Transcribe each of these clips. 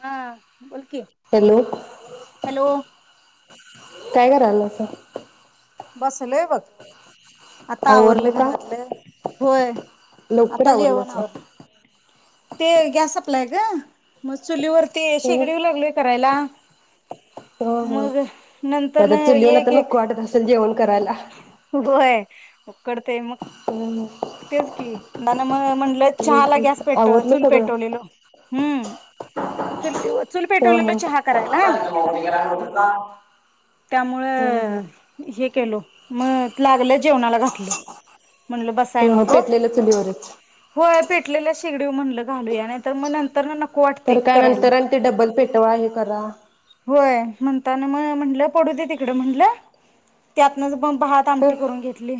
हा बोलकी, hello hello tiger आला असा बसलय बघ, आता आवरलं घरातलं होय लवकर आता जेवण आवरलासा आवरल. ते गॅस सप्लाय का? मग चुलीवरती हम्म शेगडी व लागलोय करायला हा हा मग नंतर न आता चुल येऊन आता एक एक नको वाटत असेल जेवण करायला होय उकडते म ग हम्म तेच की [unintelligible] म्हण हम्म चहा ला गॅस हम्म पेटो आवरलं चूल सगळं पेटवलेलो, हम्म, चूल हा पेटावलेलो चहा करायला, हा त्यामुळ हम्म हम्म हे केलो, मग लागल जेवणाला घातलो म्हणल बस हो पेटलेलं चुलीवरच. [unintelligible] म्हणल घालूया नाहीतर म नंतर ना म तर काय नंतर आणि ते डबल पेट पटवा हे करा होय म्हणताना मग म्हटल पडू दे तिकड म्हणल त्यातन पण भात हं आमटी करून घेतली.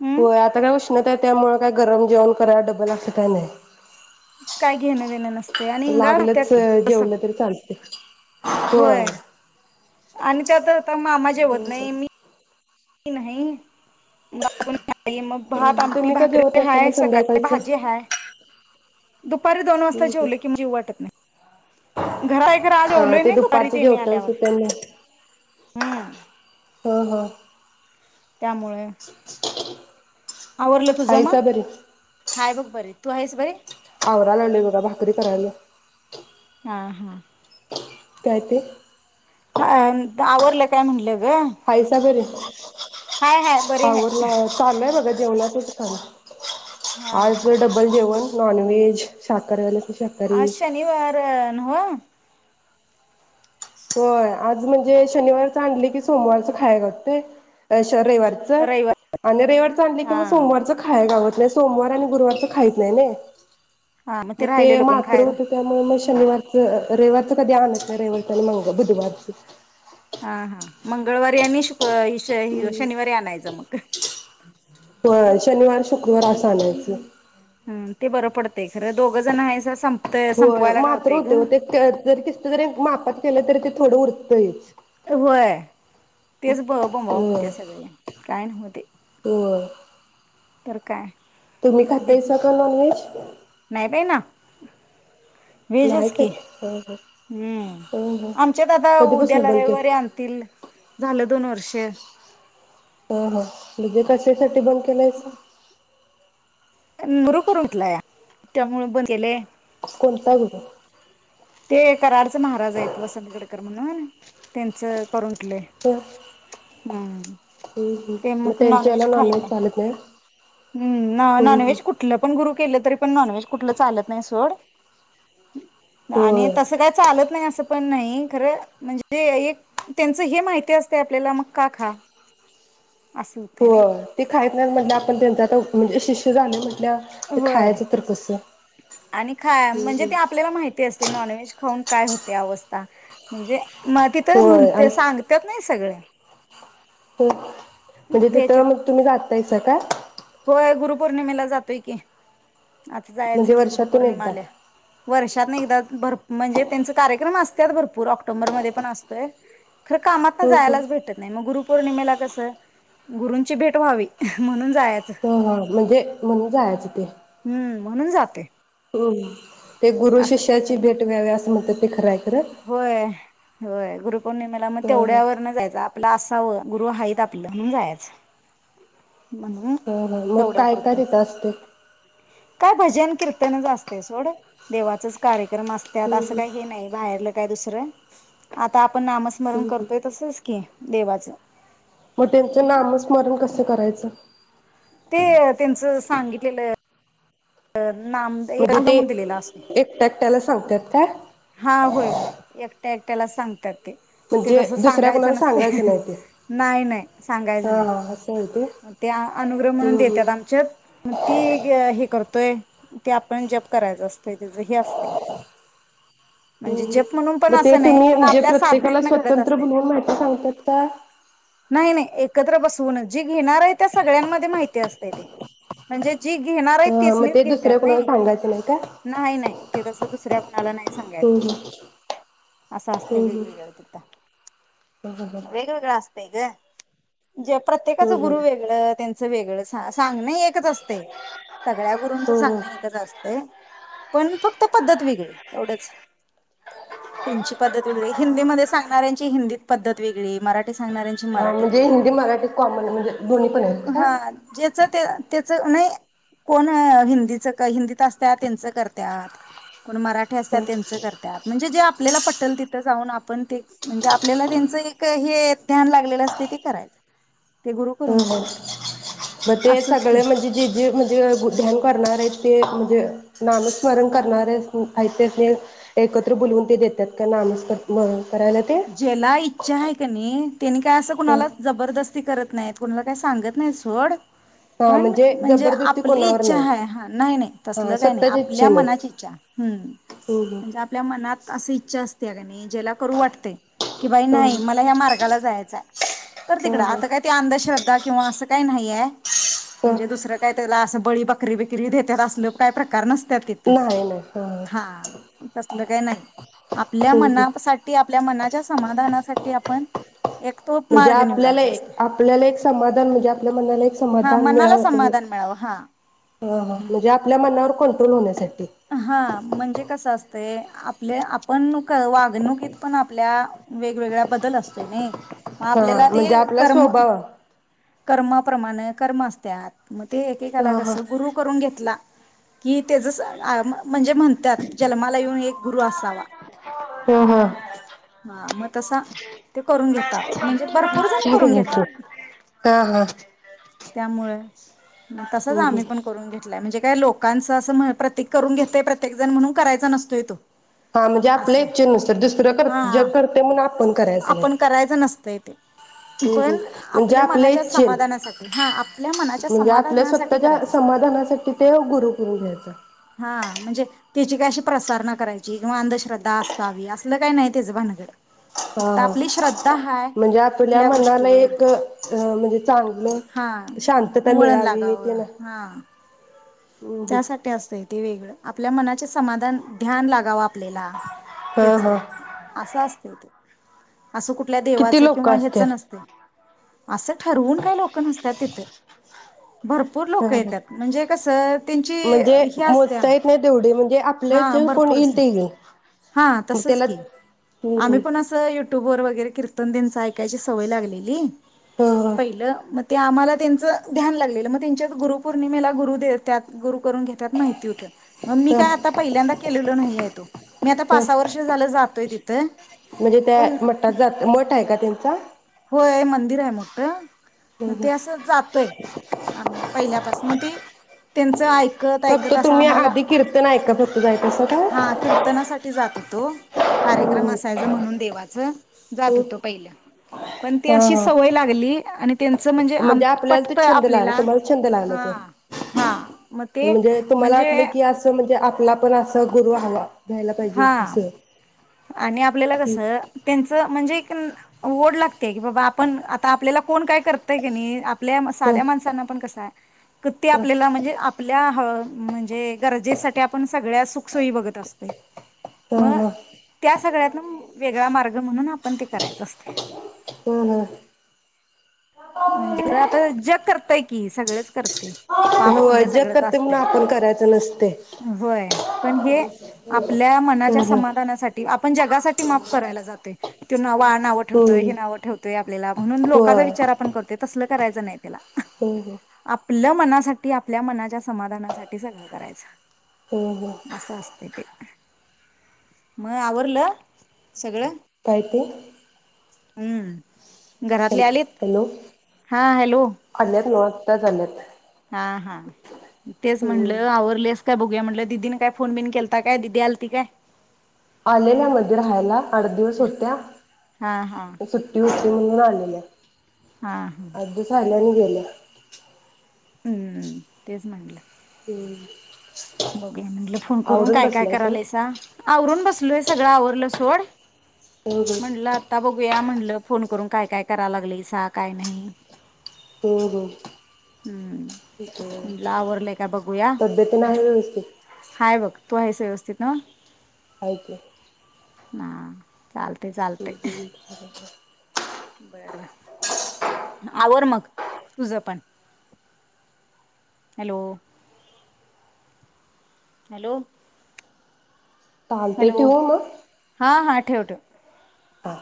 हम् हो आता काय उष्णता आहे त्यामुळे गरम जेवण करायला डबल [unintelligible] हे. काय घेण देण नसतया आणि लागलंच अस जेवलं पण तरी चालतंय होय. आणि त्यात म मामा जेवत हम्म नाही मी नाही मागून. नाही मग भात आमटी तुम्ही का जेवत भाकरी नाहीसा हाय मग सकाळची संध्याकाळचं? भाजी हाय. दुपारी दोन वाजता हम्म हम्म. जेवला कि मग जेवू वाटत नाही. आता घरा हा ते जेवलोना दुपारी दुपारचं तेनी जेवतात आल्यावर. त्यांनी हम्म हा हा. त्यामुळे. आवरलं तुझं ना? हायसा बरी? हाय बघ बरे. तू आहेस व्हय? आवराया लागलो बघा भाकरी करायलो. हा हा काय ते? हा. आवरलं काय म्हणलं. ग? हाय सा बरे हाय हाय बरी हाय. आवरलय. चाललय बघा जेवला तू [inaudible] हा आज हा डबल जेवण? नाॉनवेज साखरेले. आज शनिवार हो. होय आज म्हणजे शनिवारच आणली की सोमवारच खाय लागतंय. रविवारच रविवार. आणि रविवार च आणल की मग हा. सोमवारचं खाया गा सोमवार आणि गुरुवारच खायच नाही ना. हा मग ते राहिलेलं कोण मात्र खायला होते त्यामुळे शनिवारचं रविवारचं कधी आनत नाही. रविवारच आणि मग बुधवार च. हा हा मंगळवारी आणि शु विषय ह्यो. शनिवारी आणायचं मग. शनिवार शुक्रवार असं आणायच. हम ते बरं पडतंय खरं दोघं जण आहेसा संप होय मात्र होते ओ ते जरी दिसलं तरी मापात केलं तरी ते थोडं उरतंय. होय तेच बोंबाबोंब होय होतीय सगळी काय नव्हते. होय तर काय तुम्ही दि खाताय सा का नॉनव्हेज? ह नाही वेजच खात की हं हं हम् हं हं आमच्या दादा कधीपासून उद्याला बंद रविवारी केलं आणतील. झालं दोन वर्ष [unintelligible] ह हा म्हजे कशासाठी बंद केलायसा. नरु कर उठला या त्यामुळे बनले. कोणता गुरु? ते करार महाराज आहे वसंत गडकरणून. त्यांचं करून घेतलंय ह हम्म हम्म हम् ते मग त्यांच्याला नॉन व्हेज चालत नाही. हम् हं हं नॉनव्हेज कुठलं पण गुरु केलं तरी पण नॉनव्हेज कुठलं चालत नाही. सोड आणि होय तसं काय चालत नाही. पण नाही खर म्हणजे एक त्यांच हे माहिती असते आपल्याला मग का खा. असं होते हो नाही ते खा न म्हण आपण त्यांचा म्हणजे शिष्य झाले म्हण आप होय खायचं तर कस. आणि खा म्हणजे ते आपल्याला माहिती असते नॉनव्हेज खाउ न काय होते अवस्था. म्हणजे मग तिथं होय आणि म्हणते सांगत नाही सगळं. हो म्हणजे त्याचे तिथं मग तुम्ही जातास काय? होय. गुरुपौर्णिमेला जातोय की. आता जायचं म्हणजे की वर्षातून एकदा गुरुपौर्णिमाल्या वर्ष वर्षीतन एकदा भर म्हणजे त्यांच कार्यक्रम असत भरपूर ऑक्टोबर मधे पण असतोय. खर कामात ना हम्म हम्म. जायलाच भेटत नाही. मग गरुपो र्नीमेला कस गुरुंची भेट व्हावी म्हणून जा हा म्हणजे म्हणून जायचं ते. हम्म म्हणून जातोय. होम ते गुरु हे शिष्याची नाही भेट व्यावे असं म्हणतात ते खरंय खरं. होय होय ग्रुप पौर्णिमे मग हा हा. तेवढ्यावर न जायच. आपलं असावं गुरु हायीत आपलं म्हणून जायचं. म्हणून ह ह मग काय काय तेवढ्यापुरतं तीथ असते? काय भजन कीर्तनच असते सोड देवाचंच कार्य क्रम असंतात हम्म अस हम्म. काही हे नाही बाहेरलं काय दुस या आता आप ण नामस्मरण करतोय तसंच की देवाचं. मग त्यांचं नाम स्मरण कसं करायचं? च ते तीनचं सांगितलेलं अ नाम आंद म्हण दिलेला असते. ला सांगतात काय? त्याट्याला सांग ते म्हणजे तस दुसऱ्या सांगायच कोणाला नसते सांगायचं नाही ते नाही नाही सांगायच हा हा असं आहे नाही ते अनुग्रह म्हणून हम्म हम्म देतात. आमच्या मग ते हे य ते आपण जप करायच असतोय त्याच हे असतय. हम्म हम मग ते तुम्ही पण म्हणजे आपल्या प्रत्येकाला साधनेतन घडत स्वतंत्र असते बोलवून माहिती सांगतात काय? कद्र बसवूणच जी घेणार आहे त्या सगळ्यांमध्ये माहिती असतय ते. म्हणजे जी घेणार आहेत हा तेच मग नाहीच ते घेतात दुसऱ्या कुणाला नाही, सांगायचं नाही का? नाही नाही ते तस दुस त्र कुनाला नाही सांगायचं, हम्म असं असत हम्म वेगवेगळ तिथ हम्म हम्म वेगवेगळं असत. ते गं. जे प्रत्येकाच हम्म हम्म. हम्म हम्म गुरु वेगळं त्यांच वेगळं सा सांग नं एक एकाच असतय सगळ्या गुरूंचं हम्म हम्म. सांगण एकच असतय पण फक्त पद्धत वेगळी. एवढंच, त्यांची पद्धत वेगळी हिंदीमध्ये सांगणाऱ्यांची हिंदी पद्धत वेगळी, मराठी सांगणाऱ्यांची हा मराठीत म्हणजे हिंदी वेगळी मराठी कॉमन म्हणजे दोन्ही पण आहेत काय? च ते तेच नाही, कोण हिंद च हिंदीत असत त्यांच करतात. कोण मरा ठी असत्यात हम्म तेनचं करतात म्हणजे जे आपल्याला पट लतिथ जाऊन आपण ते म्हणजे आपल्याला त्यांच एक हे ध्यान लागलेलं असते ते करायच. हो, मग ते असंच की सगळे म्हणजे जे जे म्हणजे ध्यान करणार आहेत. ते म्हणजे नामस्मरण करणारे हायत त्यासानी एकत्र बुोलवून ते देतात काय? नामस्रण ज्याला इच्छा आहे कनी. त्यांनी काय असं कुणाला हं जबरदस्ती करत नाही कोणाला काही सांगत नाहीत सोड. हा पण म्हणजे जबरदस्ती आपली कोणावर इच्छा नाही आहे. हा नाही नाही हा तसल काही नाही स्वतःच्या आपल्या इच्छेनं मनाची इच्छा हम् हम्म म्हणजे आपल्या मनात अस इच्छा असते. त्याला नाही ज्याला की बाई हम्म हम्म नाही मला या मार्गाला जायच आहे. तर तिकड हम्म हम्म आता काय अंधश्रद्धा किंवा असं काही नाहीय म्हणजे हम्म दुसरं काय त्याला अस. बळी बकरी बिकरी देतात असलं काही प्रकार नस त्यात तीथ, नाही नाही हा तसलं काय नाही. आपल्या हम्म हम्म मनासाठी मनाच्या समाधासाठी पण म्हणजे आपल्याला आपल्याला एक समाधान म्हणजे आपल्या मनाला एक हा समाधान मनाला मिळाव. समाधान मिळावं हा हा हा, म्हणजे आपल्या मनावर कंट्रोल होण्यासाठी. हा म्हणजे कसं असत. ते आपले आपण वागणुकीत पण आपल्या वेगवेगळ्या बदल असतोय नाही. मग हा आपल्याला ते म्हणजे आपला कर्म स्वभाव. कर्माप्रमाणे कर्म असत्यात. मग ते एकेकाला हा हा कसं गुरु करून घेतला. की तेज म्हणजे म्हणतात. जन्माला येऊन एक गुरु असावा हा हा मग मग तसा ते करून घेता म्हणजे भरपूर जण चहा घे करून घेतात. की हा हा च मग तसच हम्म हम्म आम्ही पण करून घेतलाय. म्हणजे काय लोक लोकांचं असं प्रत्येक करून घेतय प्रत्येक जण म्हणून करायचा नसतोय तो. हा म्हणजे आपल्या असं आहे इच्छ नुसर दुसरं ज हा करते म्हणून आपण करायचं आपण नाही करायचं नसतं ते हम्म पण हम्म म्हणजे आपल्या मनाच्या इच्छेन समाधानासाठी हा आपल्या मनाच्या म्हणजे आपल्या समाधानासाठी स्वतःच्या करायचं असत. समाधानासाठी ते गुरु करून घ्यायचं. हा म्हणजे त्याची काय अशी प्रसारणा करायची किंवा अंधश्रद्धा असावी. असलं काही नाही त्याचं भानगड हा फक्त हा आपली श्रद्धा हाय म्हणजे आपल्या कुठल्या मनाला गोष्टीवर एक अ म्हणजे चांगलं हा शांतता वळण मिळावी. लागावं तेन हा त्यासाठी असतंय ते वेगळं. आपल्या मनाचे समाधान ध्यान लागावं आपलेला. हा त्याच हा. असं तय ते. असं कुठल्या किती देवाचं लोक किंवा ह्यच असत्यात? नसतय. असं. ठरवून काही लोक नसत्यात तिथं. भरपूर लोक येत्यात म्हणजे कसं. त्यांची म्हणजे ह्या असत्या मोजता येत नाही तेवढे म्हणजे आपल्या हां इथे कोण भरपूर येईल असत्या ते येईल हां मग तसंच त्याला की हम्म आम्ही हम्म. पण असं यूट्यूबवर वगैरे. वगैरे कीर्तन तेचं कीर्तन ऐकायची सवय लागलेली. ह ह पहिलं म. ते आम्हाला त्यांचं ध्यान लागलेलं मग त्यांच्यात गुरुपौर्णिमेला गुरु देत्यात. गुरू. करून घेत्यात माहिती होत म मी ह काय आता पहिल्यांदा केलेलो नाही तो, मी आता ह पासा वर्ष झालोय जातोय तिथ म्हणजे त्या पण. मठात जात मठ आहे का त्यांचा. होय मंदिर आहे मोठ. हम्म मग हम्म. ते असं जातोय आम्ही पहिल्यापास मग ते. त्यांच आईक कत फक्त ऐकत अस तुम्ही आम्हाला आधी कीर्तन ऐका फक्त जायचं असं काय? हा कीर्तनासाठी जात होतो, हम्म कार्यक्रम हम्म. असायचं म्हणून देवाचं जात हम्म हुतो पयल पण ती हा अशी हा. सवय लागली आणि तेंच म्हणजे आम आपल्याला तो पटतय छंद लागला आपल्याला, तुम्हाला छंद लागला हा तो हा म ते म्हणजे पला पण अस गुरु हवा. घ्यायला पाहिजे हा हसं आणि आपल्याला कस त्यांच म्हणजे एकन ओढ लागत्या की, बाबा आपण आता आपल्याला कोण काय करतय कणी आप पल्या ह साध्या माणसांना पण कस हाय क ते आपल्याला म्हणजे आपल्या ह म्हणजे गरजेसाठी आपण सगळ्या सुखसोयी बघत असतोय म ह त्या सगळ्यातन म वेगळा मार्ग म्हणून आपण ते करायचं असतय. ह ह. म्हणजे [unintelligible] आता जग करतय की सगळच करतय. पाप हो पुण्य जग सगळच करते म्हणून असतय, आपण करायचं नसते होय पण हे आपल्या ह मनाच्या ह समाधानासाठी, आपण जगासाठी माफ करायला जातोय. [unintelligible] नाव ठेवतोय, हम्म हे नाव ठेवतोय आपल्याला म्हणून लोकाचा वि चार आपण करतोय तसल करायचं नई त्येला ह ह. मनासाठी आपल्या मनाच्या समाधानासाठी सगळं करायच. हम्म हम्म असं असते ते म आवरलं सगळं? काय ते? उम्म. घरातले आलीत? हा हॅलो. त नव आताच आल्यात. हा हा तेच हम्म म्हणलं आवरलेस का बघु गुया म्हणलं दिदीन काय फोन बिन केलता काय, दिदी आलती काय? आलेल्या मध्ये राहायला अड दिवस होत्या हा हा हा सुट्टी होत् म्हणुन आलेल्या. हा आव दिवस राहिलं आणि गे लं. हम्म तेच म्हटलं. हम बघुया म्हटलं फोन करून काय काय सोड करालायस, आवरून बसलोय सगळं आवरलं सोड. हम्म म्हटलं आता बघूया म्हटलं फोन करून काय काय काय करालागलायसा काय नाही. हो हो हम्म म्हटलं आवरलंय का बघूया, तब्येत तेन आहे व्यवस्थित? हाय बघ. तू आहेच व्यवस्थित नव. हाय की. ना चालते, चालते‌. हम्म हम्म आवर मग तुझ पण. हॅलो हॅलो चालते हॅलो ठेवू मग. हां हां ठेव ठेव. हा